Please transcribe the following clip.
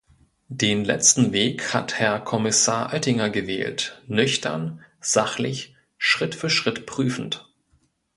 Den letzten Weg hat Herr Kommissar Oettinger gewählt, nüchtern, sachlich, Schritt für Schritt prüfend.